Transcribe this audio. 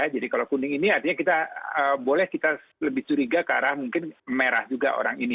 jadi kalau kuning ini artinya kita boleh kita lebih curiga ke arah mungkin merah juga orang ini